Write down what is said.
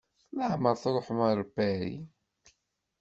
Leɛmeṛ Tṛuḥem ɣer Paris?